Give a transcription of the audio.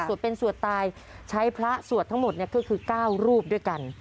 สวดเป็นสวดตายใช้พระสวดทั้งหมดคือเก้ารูปด้วยกัน